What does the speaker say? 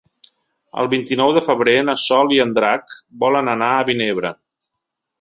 El vint-i-nou de febrer na Sol i en Drac volen anar a Vinebre.